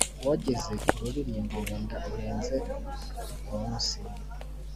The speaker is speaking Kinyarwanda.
Wogeze ururirimbo Wenda urenze umunsi